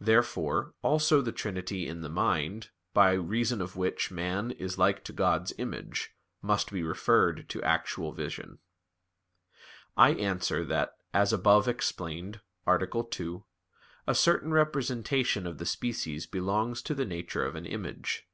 Therefore, also, the trinity in the mind, by reason of which man is like to God's image, must be referred to actual vision. I answer that, As above explained (A. 2), a certain representation of the species belongs to the nature of an image.